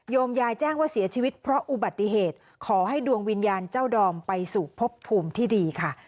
ยายแจ้งว่าเสียชีวิตเพราะอุบัติเหตุขอให้ดวงวิญญาณเจ้าดอมไปสู่พบภูมิที่ดีค่ะ